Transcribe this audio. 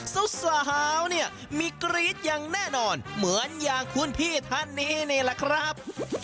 สาวเนี่ยมีกรี๊ดอย่างแน่นอนเหมือนอย่างคุณพี่ท่านนี้นี่แหละครับ